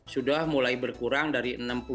sudah mulai berkurang dari